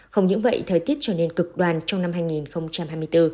không những vậy thời tiết trở nên cực đoan trong năm hai nghìn hai mươi bốn